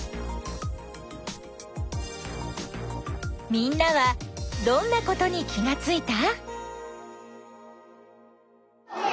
みんなはどんなことに気がついた？